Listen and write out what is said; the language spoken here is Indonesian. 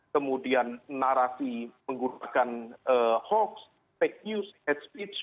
kemudian narasi menggunakan hoax take use head speech